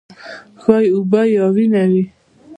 ښايي اوبه یا وینه وي.